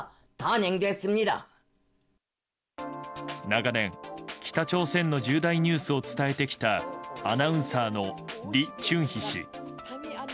長年、北朝鮮の重大ニュースを伝えてきたアナウンサーのリ・チュンヒ氏。